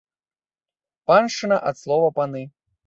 Паншчына ад слова паны.